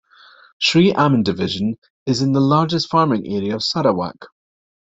Sri Aman Division is in the largest farming area of Sarawak.